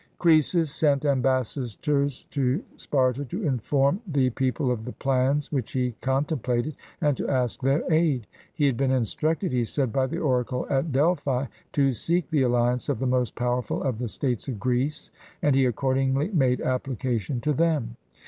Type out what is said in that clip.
Croesus sent ambassadors to Sparta to inform the people of the plans which he contemplated, and to ask their aid. He had been instructed, he said, by the oracle at Delplii, to seek the alliance of the most powerful of the States of Greece, and he accordingly made application to them.